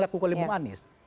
laku kuala lumpur anies